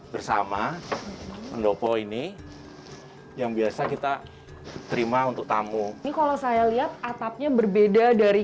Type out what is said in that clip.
bersama pendopo ini yang biasa kita terima untuk tamu ini kalau saya lihat atapnya berbeda dari